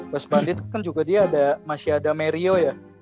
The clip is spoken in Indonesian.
bas bandit kan juga dia ada masih ada merio ya